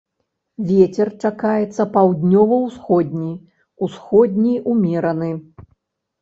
Вецер чакаецца паўднёва-ўсходні, усходні ўмераны.